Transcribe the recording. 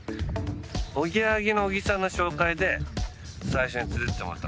おぎやはぎの小木さんの紹介で最初に連れて行ってもらった。